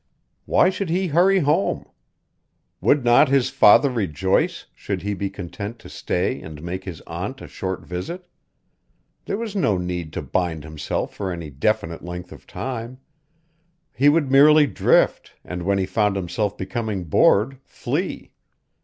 Why should he hurry home? Would not his father rejoice should he be content to stay and make his aunt a short visit? There was no need to bind himself for any definite length of time; he would merely drift and when he found himself becoming bored flee.